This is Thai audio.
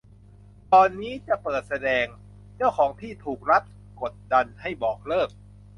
ก่อนนี้จะเปิดแสดง เจ้าของที่ถูกรัฐกดดันให้บอกเลิก